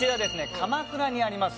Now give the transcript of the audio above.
鎌倉にあります